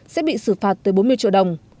sẽ bị xử phạt tới bốn mươi triệu đồng